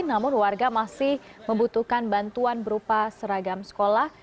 namun warga masih membutuhkan bantuan berupa seragam sekolah